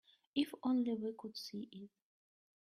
If only we could see it.